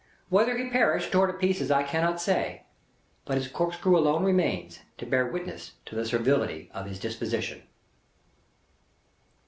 Whether he perished, tore to pieces, I cannot say; but his corkscrew alone remains, to bear witness to the servility of his disposition.